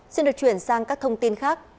xin được chuyển sang các thông tin khác